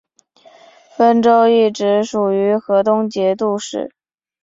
汾州一直属于河东节度使。